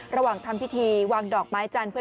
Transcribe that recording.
ระหว่างทำพิธีวางดอกไม้จันทร์